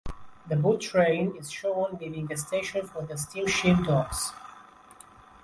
The boat train is shown leaving the station for the steamship docks.